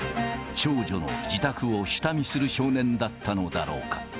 長女の自宅を下見する少年だったのだろうか。